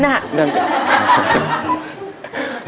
เนื่องจาก